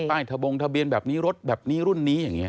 ทะบงทะเบียนแบบนี้รถแบบนี้รุ่นนี้อย่างนี้